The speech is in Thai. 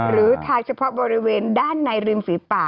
หรือทาเฉพาะบริเวณด้านในริมฝีปาก